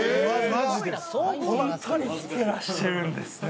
本当に来てらっしゃるんですね。